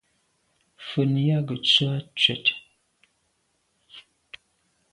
Mfen yag ke ntswe à ntshwèt.